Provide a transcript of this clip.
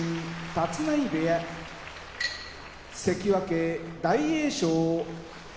立浪部屋関脇・大栄翔